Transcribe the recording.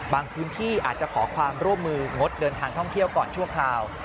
พื้นที่อาจจะขอความร่วมมืองดเดินทางท่องเที่ยวก่อนชั่วคราว